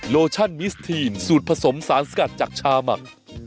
โลชั่นมิสทีนสูตรผสมสารสกัดจากชาหมัก